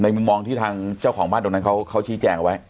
มุมมองที่ทางเจ้าของบ้านตรงนั้นเขาชี้แจงเอาไว้